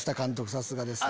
さすがですね。